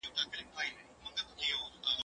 زه به درسونه اورېدلي وي،